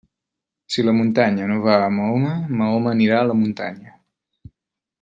Si la muntanya no va a Mahoma, Mahoma anirà a la muntanya.